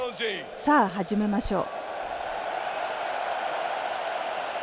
さあ、始めましょう！